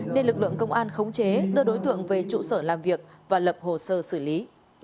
nên lực lượng công an khống chế đưa đối tượng về trụ sở làm việc và lập hồ sơ xử lý